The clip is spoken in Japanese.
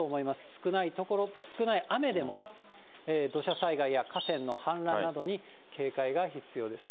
少ない所、少ない雨でも、土砂災害や河川の氾濫などに警戒が必要ですね。